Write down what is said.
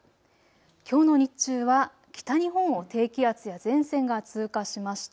きょうの日中は北日本を低気圧や前線が通過しました。